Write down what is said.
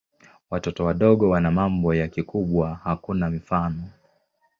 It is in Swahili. Watoto wadogo wana mambo ya kikubwa hakuna mfano.